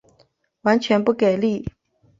完全不给力